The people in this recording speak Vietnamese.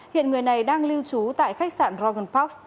hiện người này đang lưu trú tại khách sạn rogen park